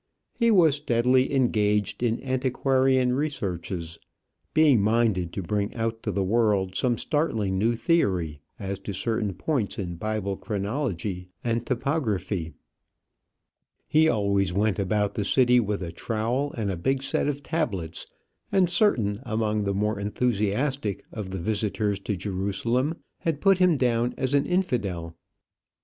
He was steadily engaged in antiquarian researches, being minded to bring out to the world some startling new theory as to certain points in Bible chronology and topography. He always went about the city with a trowel and a big set of tablets; and certain among the more enthusiastic of the visitors to Jerusalem had put him down as an infidel.